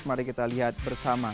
mari kita lihat bersama